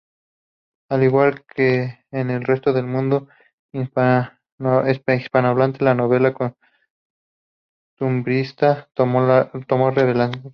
Al igual que en el resto del mundo hispanohablante, la novela costumbrista tomó relevancia.